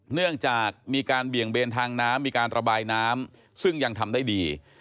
เนื่องจากมีการเบี่ยงเบนทางน้ำมีการระบายน้ำซึ่งยังทำได้ดี